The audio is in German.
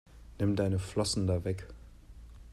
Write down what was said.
Nimm deine Flossen da weg!